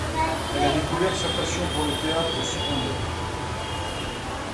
Elle a découvert sa passion pour le théâtre au secondaire.